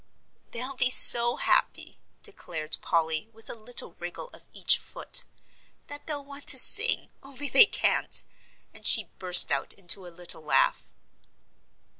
"They'll be so happy," declared Polly, with a little wriggle of each foot, "that they'll want to sing, only they can't," and she burst out into a little laugh.